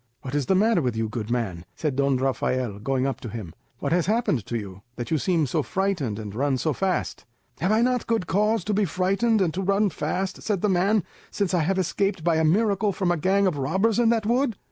"What is the matter with you, good man?" said Don Rafael, going up to him. "What has happened to you, that you seem so frightened and run so fast?" "Have I not good cause to be frightened and to run fast," said the man, "since I have escaped by a miracle from a gang of robbers in that wood?"